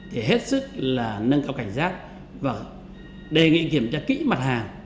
thì hết sức là nâng cao cảnh giác đề nghị kiểm tra kỹ mặt hàng